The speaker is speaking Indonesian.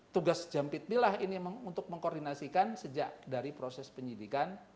tugas jump it mill untuk mengkoordinasikan sejak dari proses penyidikan